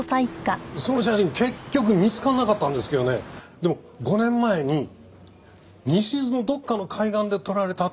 その写真結局見つからなかったんですけどねでも５年前に西伊豆のどっかの海岸で撮られたって言うんですよ。